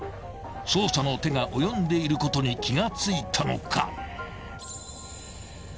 ［捜査の手が及んでいることに気が付いたのか？］